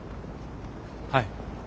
はい。